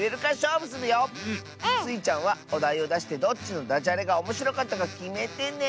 スイちゃんはおだいをだしてどっちのダジャレがおもしろかったかきめてね。